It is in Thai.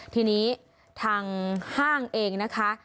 ทีนี้ทางห้างเองนะคะ